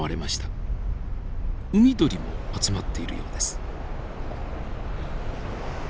海鳥も集まっているようです。